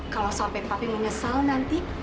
kalau sampai papi menyesal nanti